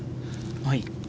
はい。